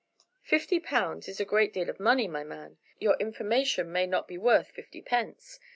"Fifty pound is a great deal of money, my man. Your information may not be worth fifty pence.